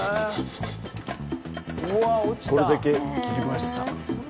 これだけ切りました